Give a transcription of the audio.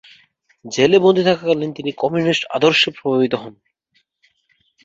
জেলে বন্দী থাকাকালীন তিনি কমিউনিস্ট আদর্শে প্রভাবিত হন।